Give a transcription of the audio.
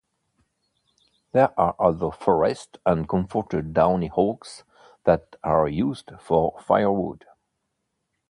There are also forests of contorted downy oaks that are used for firewood.